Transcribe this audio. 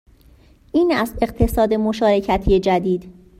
این است اقتصاد مشارکتی جدید